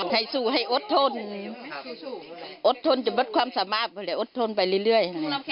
ให้สู้ให้อดทนอดทนจะบดความสามารถก็เลยอดทนไปเรื่อย